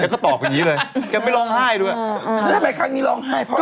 ก็ตอบอย่างงี้เลยแกไม่ร้องไห้ด้วยแล้วทำไมครั้งนี้ร้องไห้เพราะอะไร